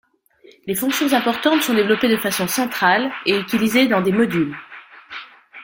Les fonctions importantes sont développées de façon centrale et utilisées dans des modules.